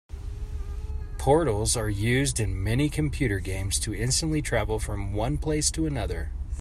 Portals are used in many computer games to instantly travel from one place to another.